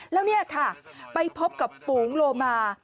แล้วนี่ค่ะไปพบกับฝูงโลมา